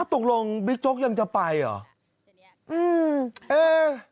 ตกลงบิ๊กโจ๊กยังจะไปเหรอ